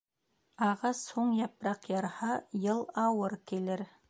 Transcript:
Ағас һуң япраҡ ярһа, йыл ауыр килер.